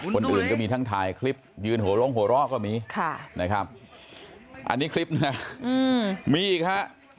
คนอื่นก็มีทั้งถ่ายคลิปยืนโหล้งโหล้ก็มีอันนี้คลิปนะมีอีกฮะ